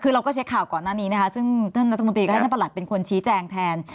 คือเราก็เช็คข่าวก่อนหน้านี้นะคะซึ่งท่านรัฐมนตรีก็ให้ท่านประหลัดเป็นคนชี้แจงแทน